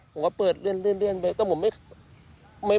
ผมก็เปิดเลื่อนไปแต่ผมไม่